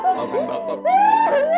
maafin bapak mi